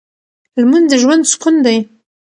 لمونځ د ژوند سکون دی.